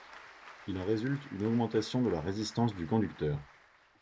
Il en résulte une augmentation de la résistance du conducteur.